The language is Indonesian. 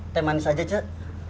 teh manis aja cik